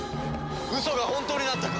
ウソが本当になったか。